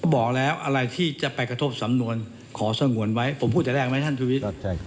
บอกแล้วอะไรที่จะไปกระทบสำนวนขอสงวนไว้ผมพูดแต่แรกไหมท่านชุวิต